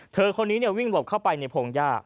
เธอคนนี้วิ่งหลบเข้าไปในพงหญ้า